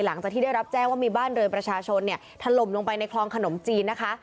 หลังจากที่ได้รับแจ้งว่ามีบ้านเรือนประชาชนเนี่ยถล่มลงไปในคลองขนมจีนนะคะ